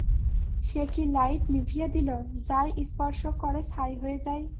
সে কি লাইট নিভিয়ে দিল, যা-ই স্পর্শ করে ছাই হয়ে যায়!